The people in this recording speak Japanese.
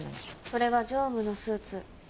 それは常務のスーツ。